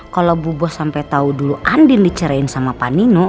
kalau bu bos sampe tau dulu andien dicerain sama pak nino